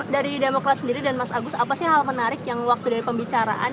dari demokrat sendiri dan mas agus apa sih hal menarik yang waktu dari pembicaraan